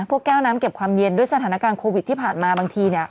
แก้วน้ำเก็บความเย็นด้วยสถานการณ์โควิดที่ผ่านมาบางทีเนี่ย